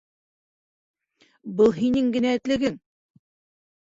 — Был һинең генә этлегең!